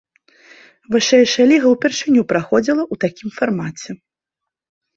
Вышэйшая ліга ўпершыню праходзіла ў такім фармаце.